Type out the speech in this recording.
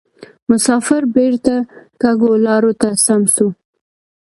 مسافر بیرته کږو لارو ته سم سو